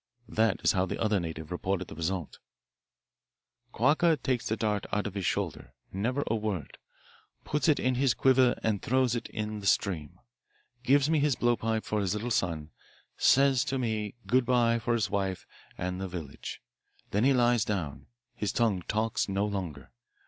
This is how the other native reported the result: "'Quacca takes the dart out of his shoulder. Never a word. Puts it in his quiver and throws it in the stream. Gives me his blowpipe for his little son. Says to me good bye for his wife and the village. Then he lies down. His tongue talks no longer.